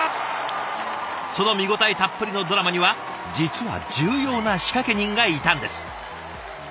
その見応えたっぷりのドラマには実は重要な仕掛け人がいたんです。